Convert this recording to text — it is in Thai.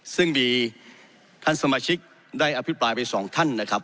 ซึ่งมีท่านสมาชิกได้อภิปรายไปสองท่านนะครับ